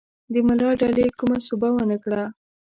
د ملا ډلې کومه سوبه ونه کړه.